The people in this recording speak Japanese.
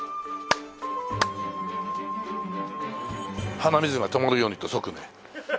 鼻水が止まるようにって即ね。